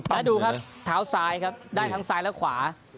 แล้วดูครับเท้าซ้ายครับได้ทั้งซ้ายและขวา